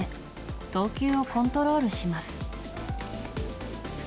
投球をコントロールします。